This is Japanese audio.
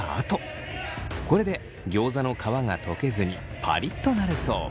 これでギョーザの皮が溶けずにパリッとなるそう。